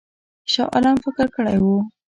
شاه عالم فکر کړی وو.